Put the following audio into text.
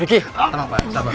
riki tenang pak